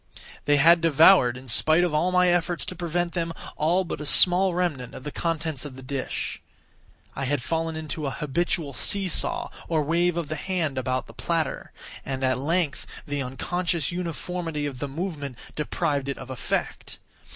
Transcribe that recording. They had devoured, in spite of all my efforts to prevent them, all but a small remnant of the contents of the dish. I had fallen into an habitual see saw, or wave of the hand about the platter; and, at length, the unconscious uniformity of the movement deprived it of effect.